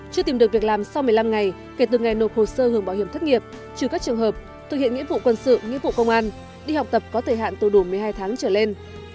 chưa tìm được việc làm sau một mươi năm ngày kể từ ngày nộp hồ sơ hưởng bảo hiểm thất nghiệp trừ các trường hợp thực hiện nghĩa vụ quân sự nghĩa vụ công an đi học tập có thời hạn từ đủ một mươi hai tháng trở lên